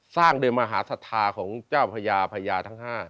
สร้างโดยมหาศรัทธาของเจ้าพญาพญาทั้ง๕